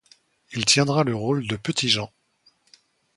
Il tiendra le rôle de Petit-Jean.